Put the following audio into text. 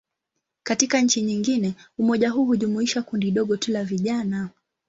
Katika nchi nyingine, umoja huu hujumuisha kundi dogo tu la vijana.